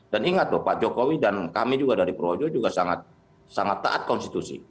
dan ingat lho pak jokowi dan kami dari projo juga sangat taat konstitusi